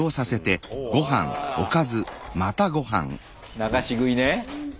流し食いね。